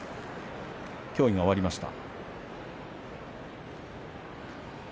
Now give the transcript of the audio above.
協議が終わりました。